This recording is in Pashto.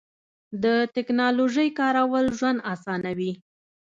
د تکنالوژۍ کارول ژوند اسانوي.